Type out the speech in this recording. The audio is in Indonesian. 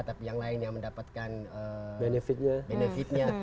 tapi yang lain yang mendapatkan benefitnya